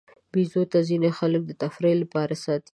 بیزو ته ځینې خلک د تفریح لپاره ساتي.